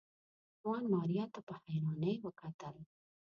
ځوان ماريا ته په حيرانۍ وکتل.